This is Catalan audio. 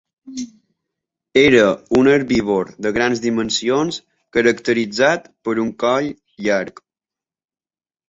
Era un herbívor de grans dimensions caracteritzat per un coll llarg.